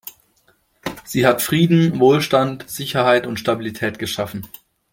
Sie hat Frieden, Wohlstand, Sicherheit und Stabilität geschaffen.